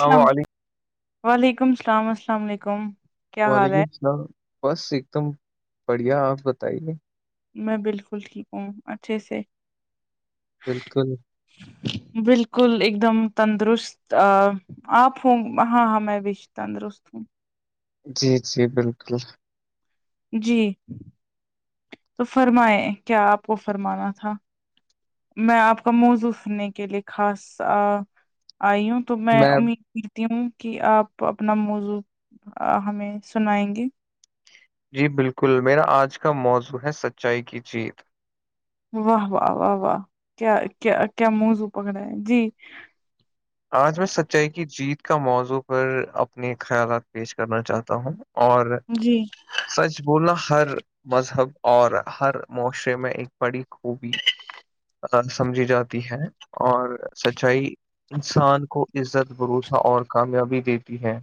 السلام اللام علیکم وعلیکم السلام السلام علیکم کیا حال وعلیکم ہے السلام بس ایک دم بڑھیا آپ بتائیے میں بالکل ٹھیک ہوں اچھے سے بالکل بالکل ایک دم تندرست آپ ہوں ہاں ہاں میں بھی تندرست ہوں جی جی بالکل جی تو فرمائے کیا آپ کو فرمانا تھا میں آپ کا موضوع سننے کے لیے خاص آئی ہوں تو میں امید ہوں کہ آپ اپنا موضوع ہمیں سنائیں گے جی بالکل میرا آج کا موضوع ہے سچائی کی جیت واہ واہ واہ واہ کیا کیا کیا منزو پک رہا ہے جی آج میں سچائی کی جیت کا موضوع پر اپنے خیالات پیش کرنا چاہتا ہوں اور جی سچ بولنا ہر مذہب اور ہر معاشرے میں ایک بڑی خوبی سمجھی جاتی ہے اور سچائی انسان کو عزت بھروسہ اور کامیابی دیتی ہے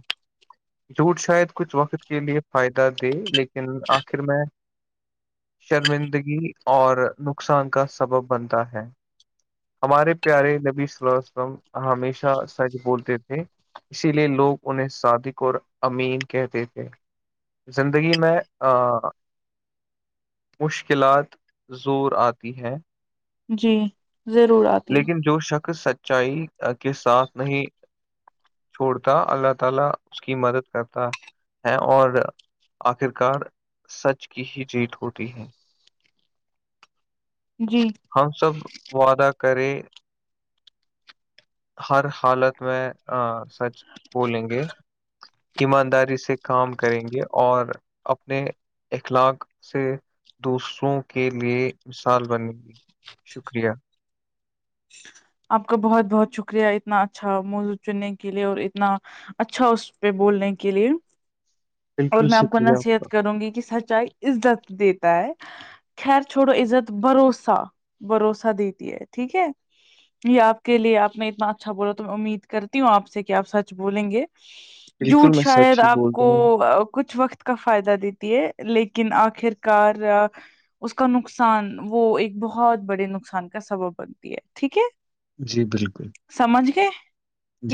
جھوٹ شاید کچھ وقت کے لیے فائدہ دے لیکن آخر میں شرمندگی اور نقصان کا سبب بنتا ہے ہمارے پیارے نبیلم ہمیشہ سچ بولتے تھے اسی لیے لوگ انہیں صادق اور امین کہتے تھے زندگی میں مشکلات زور آتی ہے جی ضرور آ لیکن جو شخص سچائی کے ساتھ نہیں چھوڑتا اللہ تعالی اس کی مدد کرتا ہیں اور آخرکار سچ کی ہی جیت ہوتی ہے جی [inaudible] ہم سب وعدہ کرے ہر حالت میں سچ بولیں گے ایمانداری سے کام کریں گے اور اپنے اخلاق سے دوسروں کے لیے مثال بنے گی شکریہ آپ کا بہت بہت شکریہ اتنا اچھا موضو چننے کے لیے اور اتنا اچھا اس پہ بولنے کے لیے اور بالکل میں آپ کو شکریہ کا نصیحت کروں گی کہ سچائی عزت دیتا ہے خیر چھوڑو عزت بھروسہ بھروسہ دیتی ہے ٹھیک ہے یہ آپ کے لیے آپ نے اتنا اچھا بولا تو میں امید کرتی ہوں آپ سے کہ آپ سچ بولیں گے بالکل جھوٹ میں سچ شاید ہی آپ بولتا کو ہوں کچھ وقت کا فائدہ دیتی ہے لیکن آخر کار اس کا نقصان وہ ایک بہت بڑے نقصان کا سبب بنتی ہے ٹھیک ہے جی بالکل سمجھ گئے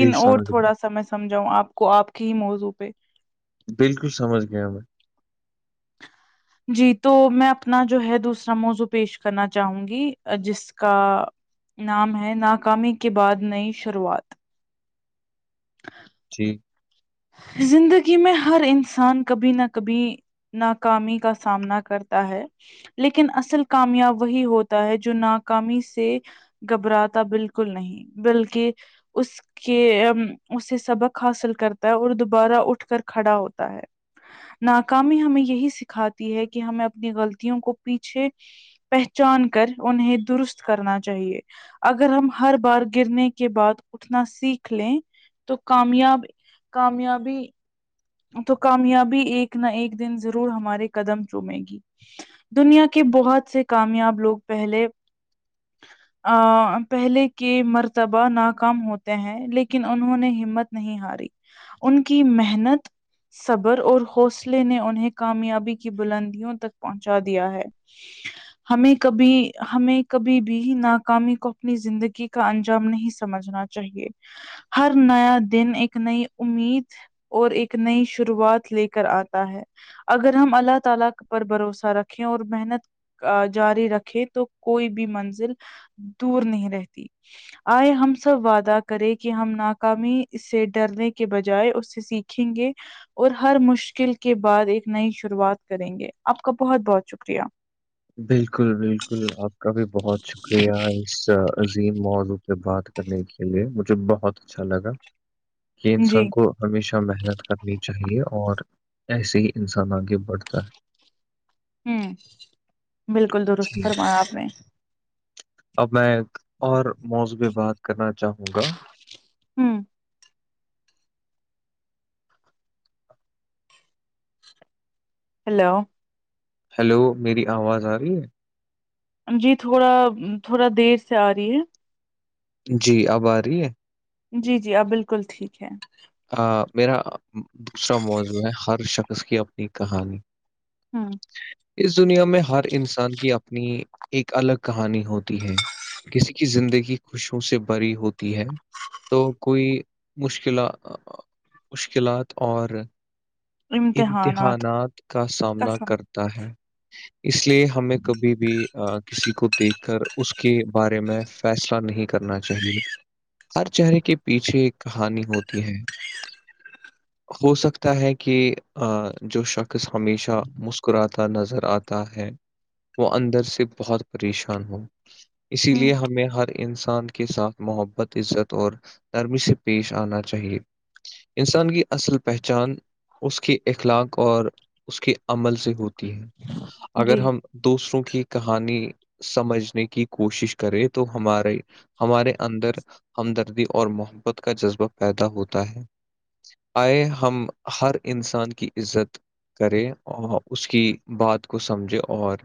جی اور سمجھ گیا تھوڑا سا میں سمجھاؤں آپ کو آپ کے ہی موضوع پہ بالکل سمجھ گیا م میں جی تو میں اپنا جو ہے دوسرا موضوع پیش کرنا چاہوں گی جس کا نام ہے ناکامی کے بعد نئی شروعات ہاں [unintelligible] ٹھیک زندگی میں ہر انسان کبھی نہ کبھی ناکامی کا سامنا کرتا ہے لیکن اصل کامیاب وہی ہوتا ہے جو ناکامی سے گھبراہتا بالکل نہیں بلکہ اس کے اس سے سبق حاصل کرتا اور دوبارہ اٹھ کر کھڑا ہوتا ہے [unintelligible] ناکامی ہمیں یہی سکھاتی ہے کہ ہمیں اپنی غلطیوں کو پیچھے پہچان کر انہیں درست کرنا چاہیے [unintelligible] اگر ہم ہر بار گرنے کے بعد اٹھنا سیکھ لیں تو کامیاب کامیابی [unintelligible] تو کامیابی ایک نہ ایک دن ضرور ہمارے قدم چومے گی دنیا کے بہت سے کامیاب لوگ پہلے ا پہلے کے مرتبہ ناکام ہوتے ہیں لیکن انہوں نے ہمت نہیں ہاری ان کی محنت صبر اور حوصلے نے انہیں کامیابی کی بلندیوں تک پہنچا دیا ہے ہ [inaudible] ہمیں کبھی ہمیں کبھی بھی ناکامی کو اپنی زندگی کا انجام نہیں سمجھنا چاہیے ہر نیا دن ایک نئی امید اور ایک نئی شروعات لے کر آتا ہے اگر ہم اللہ تعالی پر بھروسہ رکھیں اور محنت جاری رکھے تو کوئی بھی منزل دور نہیں رہتی آئے ہم سب وعدہ کرے کہ ہم ناکامی اس سے ڈرنے کے بجائے اس سے سیکھ کیں گے اور ہر مشکل کے بعد ایک نئی شروعات کریں گے آپ کا بہت بہت شکریہ بالکل بالکل آپ کا بھی بہت شکریہ اس عظیم موضوع پہ بات کرنے کے لیے مجھے بہت اچھا لگا کہ جی انسان کو ہمیشہ محنت کرنی چاہیے اور ایسے ہی انسان آگے بڑھتا ہے ہوں بالکل درست جی فرمایا آپ نے اب میں ایک اور موضب بات کرنا چاہوں گا ہوں ہیلو ہیلو میری آواز آ رہی ہے جی تھوڑا تھوڑا دیر سے آ رہی ہے جی اب آ رہی ہے جی جی آب بالکل ٹھیک ہے آ میرا دوسرا موضوع ہے ہر شخص کی اپنی کہانی ہاں [inaudible] اس دنیا میں ہر انسان کی اپنی ایک الگ کہانی ہوتی ہے کسی کی زندگی خوشیوں سے بری ہوتی ہے تو کوئی مشکل مشکلات اور امتحانات کا سامنا قسم کر اس لیے ہمیں کبھی بھی کسی کو دیکھ کر اس کے بارے میں فیصلہ نہیں کرنا چاہیے ہر چہرے کے پیچھے ایک کہانی ہوتی ہے ہو سکتا ہے کہ جو شخص ہمیشہ مسکراتا نظر آتا ہے وہ اندر سے بہت پریشان ہو اسی ہ لیے ہمیں ہر انسان کے ساتھ محبت عزت اور نرمی سے پیش آنا چاہیے انسان کی اصل پہچان اس کی اخلاق اور اس کے عمل سے ہوتی ہے جی اگر ہم دوسروں کی کہانی سمجھنے کی کوشش کرے تو ہمارے ہمارے اندر ہمدردی اور محبت کا جذبہ پیدا ہوتا ہے آئے ہم ہر انسان کی عزت کرے اور اس کی بات کو سمجھے اور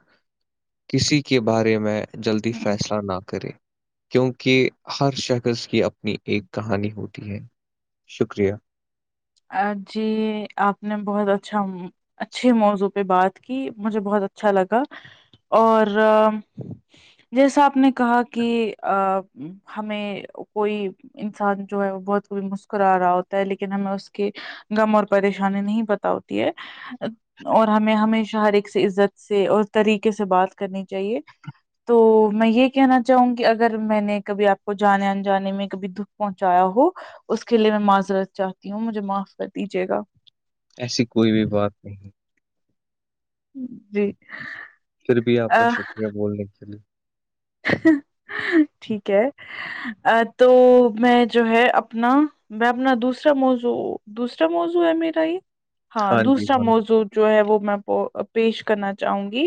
کسی کے بارے میں جلدی ہوں فیصلہ نہ کرے کیونکہ ہر شخص کی اپنی ایک کہانی ہوتی ہے شکریہ جی آپ نے بہت اچھا اچھے موضوع پہ بات کی مجھے بہت اچھا لگا اور جیسا آپ نے کہا کہ ا ہمیں کوئی انسان جو ہے وہ بہت کب مسکرا رہا ہوتا ہے لیکن ہمیں اس کہ غم اور پریشانی نہیں پتا ہوتی ہے اور ہمیں ہمیشہ ہر ایک سے عزت سے اور طریقے سے بات کرنی چاہیے تو میں یہ کہنا چاہوں گی اگر میں نے کبھی آپ کو جانے ان جانے میں کبھی د پہنچایا ہو اس کے لیے میں معذرت چاہتی ہوں مجھے معاف کر دیجیے گا ایسی کوئی بھی بات نہیں جی پھر بھی آپ آ، کا شکریہ بولنے کے لیے ٹھیک ہے تو میں جو ہے اپنا میں اپنا دوسرا موزو دوسرا موزو ہے میرا یہ ہاں جی دوسرا ہاں موزو جو ہے وہ میں پیش کرنا چاہوں گی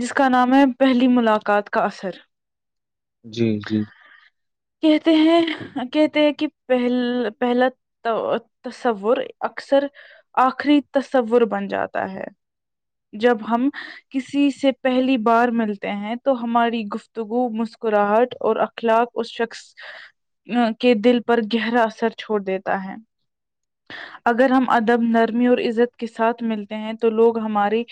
جس کا نام ہے پہلی ملاقات کا اثر جی جی کہتے ہیں کہتے ہیں کہ پہل پہلا تصور اکثر آخری تصور بن جاتا ہے جب ہم کسی سے پہلی بار ملتے ہیں تو ہماری گفتگو مسکراہٹ اور اخلاق اس شخص کے دل پر گہرا اثر چھوڑ دیتا ہے اگر ہم ادب نرمی اور عزت کے ساتھ ملتے ہیں تو لوگ ہماری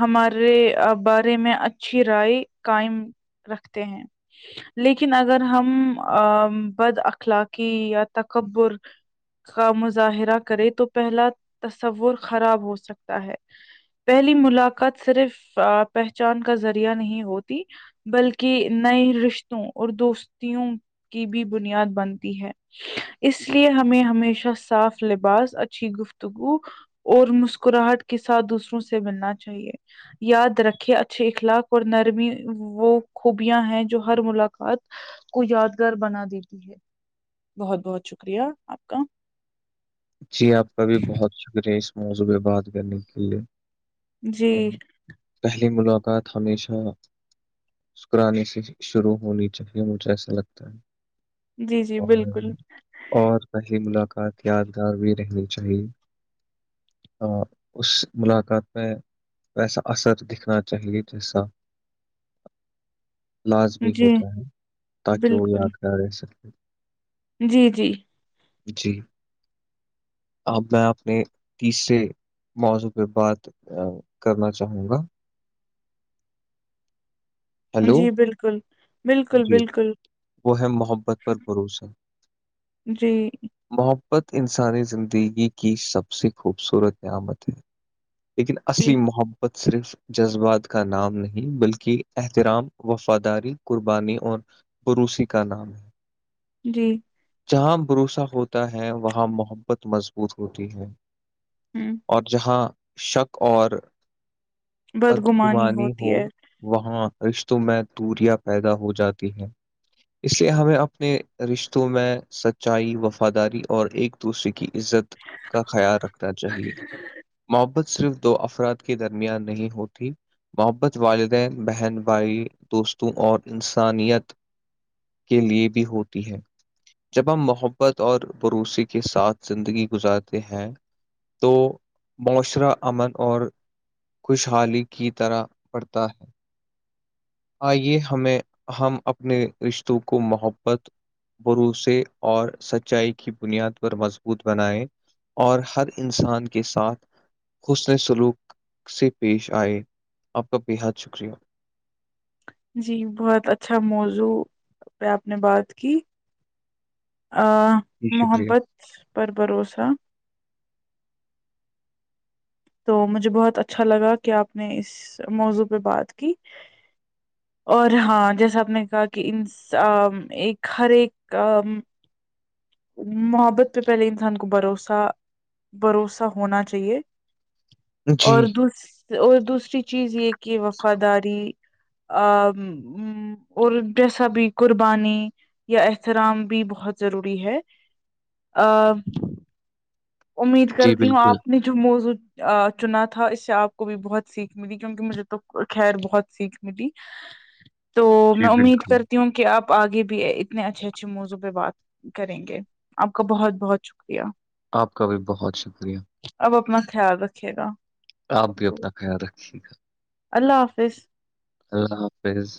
ہمارے بارے میں اچھی رائے قائم رکھتے ہیں لیکن اگر ہم بد اخلاقی یا تکبر کا مظاہرہ کرے تو پہلا تصور خراب ہو سکتا ہے پہلی ملاقات صرف پہچان کا ذریعہ نہیں ہوتی بلکہ نئے رشتوں اور دوستوں کی بھی بنیاد بنتی ہے اس لیے ہمیں ہمیشہ صاف لباس اچھی گفتگو اور مسکراہٹ کے ساتھ دوسروں سے ملنا چاہیے یاد رکھے اچھے اخلاق اور نرمی وہ خوبیاں ہیں جو ہر ملاقات کو یادگار بنا دیتی ہے بہت بہت شکریہ آپ کا جی آپ کا بھی بہت شکریہ اس موضوعہ بات کرنے کے لیے جی ام، پہلی ملاقات ہمیشہ مسکرانے سے ہی شروع ہونی چاہیے مجھے ایسا لگتا ہے جی جی اور بالکل اور پی ملاقات یاد رہنی چاہیے اس ملاقات میں ویسا اثر دکھنا چاہیے جیسا لازمی جی ہوتا ہے تاکہ وہ بالکل یا گہ رہ سکے جی جی جی اب میں اپنے تیسرے موضوع پہ بات کرنا چاہوں گا ہیلو جی بالکل بالکل جی بالکل وہ ہے محبت پر بھروسہ جی محبت انسانی زندگی کی سب سے خوبصورت نعمت ہے لیکن جی اصلی محبت صرف جذبات کا نام نہیں بلکہ احترام وفاداری قربانی اور بروسی کا نام ہے جی جہاں بھروسہ ہوتا ہے وہاں محبت مضبوط ہوتی ہے ہوں اور جہاں شک اور بد بدگمانی کمانی ہوتی ہو ہے وہاں رشتوں میں دوریاں پیدا ہو جاتی ہے اس لیے ہمیں اپنے رشتوں میں سچائی وفاداری اور ایک دوسرے کی عزت کا خیال رکھنا چاہیے محبت صرف دو افراد کے درمیان نہیں ہوتی محبت والد بہن بھائی دوستوں اور انسانیت کے لیے بھی ہوتی ہے جب ہم محبت اور بروسے کے ساتھ زندگی گزارتے ہیں تو معاشرہ امن اور خوشحالی کی طرح ت آئیے ہمیں ہم اپنے رشتوں کو محبت بھروسے اور سچائی کی بنیاد پر مضبوط بنائے اور ہر انسان کے ساتھ حسن سلوک سے پیش آئے آپ کا بےحد شکریہ جی بہت اچھا موضوع پہ آپ نے بات کی ا جی شکریہ محبت پر بھروسہ تو مجھے بہت اچھا لگا کہ آپ نے اس موضوع پہ بات کی اور ہاں جیسا آپ نے کہا کہ ان ایک ہر ایک محبت پہ پہلے انسان کو بھروسہ بھروسہ ہونا چاہیے جی اور دوس اور دوسری چیز یہ کہ وفاداری اور جیسا بھی قربانی یا احترام بھی بہت ضروری ہے ا امید جی کرتی ہوں بالکل آپ نے جو موزوں چنا تھا اس سے آپ کو بھی بہت سیکھ ملی کیونکہ مجھے تو خیر بہت سیکھ ملی تو جی میں امید بالکل کرتی ہوں کہ آپ آگے بھی اتنے اچھے اچھے موضوع پہ بات کریں گے آپ کا بہت بہت شکریہ آپ کا بھی بہت شکریہ اب اپنا خیال رکھے گا آپ بھی اپنا خیال رکھیے گا اللہ حافظ اللہ حافظ